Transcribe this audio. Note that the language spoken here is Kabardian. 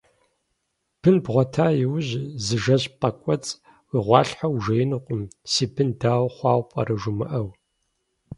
Бын бгъуэта иужь, зы жэщ пӏэкӏуэцӏ уигъуалъхьэу ужеинукъым, си бын дау хъуауэ пӏэрэ жумыӏэу.